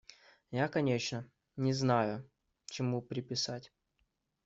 Я, конечно, не знаю, чему приписать.